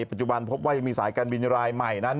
ปัจจุบันพบว่ายังมีสายการบินรายใหม่นั้น